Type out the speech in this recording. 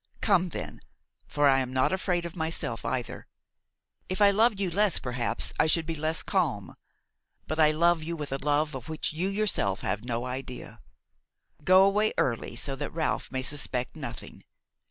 Come then, for I am not afraid of myself either; if I loved you less, perhaps I should be less calm; but I love you with a love of which you yourself have no idea. Go away early, so that Ralph may suspect nothing.